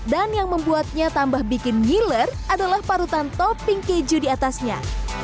dan yang membuatnya tambah bikin ngiler adalah parutan topping keju di atasnya